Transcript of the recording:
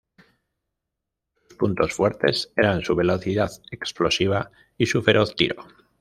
Sus puntos fuertes eran su velocidad explosiva y su feroz tiro.